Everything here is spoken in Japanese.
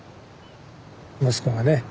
息子がね